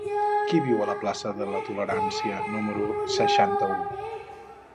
Qui viu a la plaça de la Tolerància número seixanta-u?